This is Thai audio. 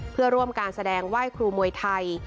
เพื่อร่วมการแสดงไหว้ครูมวยไทย